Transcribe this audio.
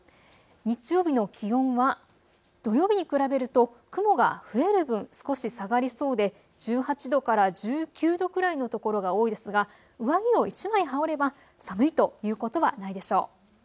日曜日の気温は土曜日に比べると雲が増える分、少し下がりそうで１８度から１９度くらいの所が多いですが上着を１枚羽織れば寒いということはないでしょう。